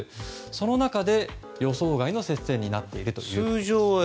その中で、予想外の接戦になっているということです。